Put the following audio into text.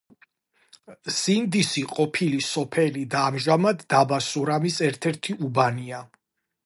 ზინდისი ყოფილი სოფელი და ამჟამად დაბა სურამის ერთ-ერთი უბანია.